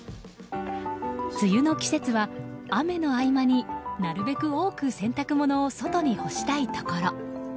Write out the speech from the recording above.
梅雨の季節は雨の合間になるべく多く洗濯物を外に干したいところ。